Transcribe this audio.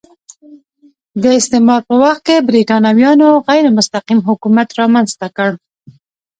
د استعمار په وخت کې برېټانویانو غیر مستقیم حکومت رامنځته کړ.